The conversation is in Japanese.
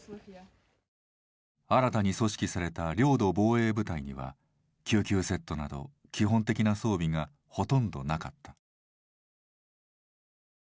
新たに組織された領土防衛部隊には救急セットなど基本的な装備がほとんどなかった。